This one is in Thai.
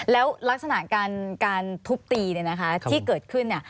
แล้วลักษณะการทุบตีที่เกิดขึ้น